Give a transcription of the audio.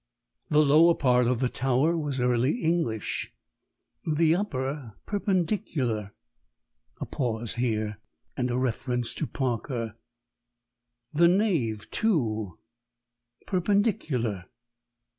The lower part of the tower was Early English, the upper Perpendicular (a pause here, and a reference to Parker); the nave, too, Perpendicular.